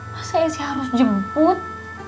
masa esi harus jemput